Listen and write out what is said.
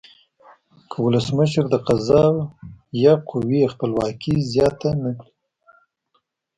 که ولسمشر د قضایه قوې خپلواکي زیانه کړي.